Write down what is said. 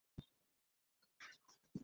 ইদানীং দিনকাল খুব খারাপ যাচ্ছে আমার।